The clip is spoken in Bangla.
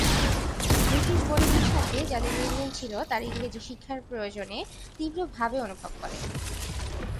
ব্রিটিশ বণিকদের সঙ্গে যাদের লেনদেন ছিল, তারা ইংরেজি শিক্ষার প্রয়োজন তীব্রভাবে অনুভব করেন।